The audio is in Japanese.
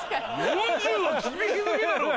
４０は厳し過ぎるだろ！